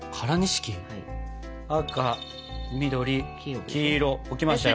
赤緑黄色置きましたよ。